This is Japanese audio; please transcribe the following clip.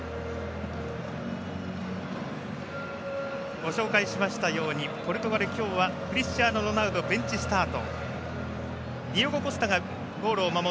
ご紹介しましたようにポルトガル今日はクリスチアーノ・ロナウドベンチスタート。